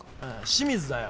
清水だよ